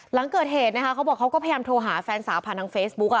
หลังเกิดเหตุนะคะเขาบอกเขาก็พยายามโทรหาแฟนสาวผ่านทางเฟซบุ๊ก